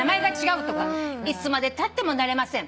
「いつまでたっても慣れません」